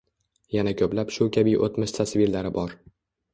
Yana ko’plab shu kabi o’tmish tasvirlari bor.